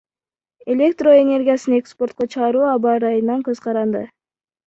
Электроэнергиясын экспортко чыгаруу аба ырайынан көзкаранды.